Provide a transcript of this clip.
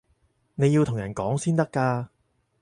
你要同人講先得㗎